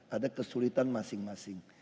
ada kesulitan masing masing